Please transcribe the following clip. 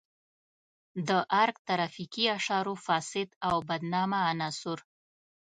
د ارګ ترافیکي اشارو فاسد او بدنامه عناصر.